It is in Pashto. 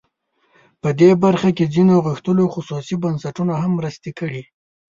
په دې برخه کې ځینو غښتلو خصوصي بنسټونو هم مرستې کړي.